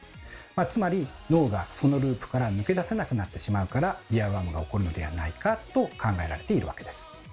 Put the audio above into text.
つまり脳がそのループから抜け出せなくなってしまうからイヤーワームが起こるのではないかと考えられているわけです。